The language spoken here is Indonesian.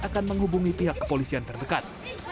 akan menghubungi pihak kepolisian terdekat